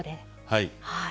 はい。